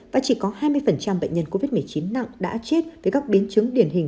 và chỉ có hai mươi bệnh nhân covid một mươi chín nặng đã chết với các biến chứng điển hình